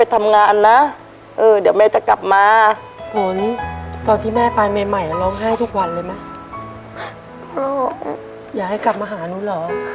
อยากให้กลับมาหาหนูเหรอ